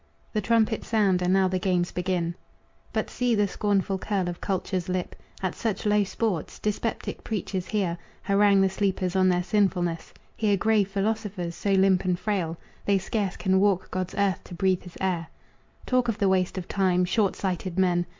The trumpets sound, and now the games begin. But see the scornful curl of Culture's lip At such low sports! Dyspeptic preachers hear Harangue the sleepers on their sinfulness! Hear grave philosophers, so limp and frail They scarce can walk God's earth to breathe his air, Talk of the waste of time! Short sighted men!